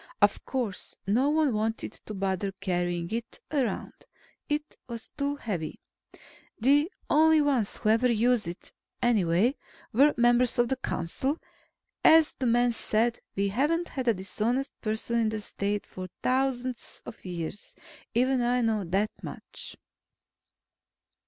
Of course, no one wanted to bother carrying it around. It was too heavy. The only ones who ever used it, anyway, were members of the council. As the man said, we haven't had a dishonest person in the State for thousands of years. Even I know that much.